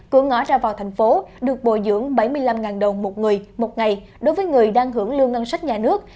cửa ngõ ra vào thành phố được bồi dưỡng bảy mươi năm đồng một người một ngày đối với người đang hưởng lương ngân sách nhà nước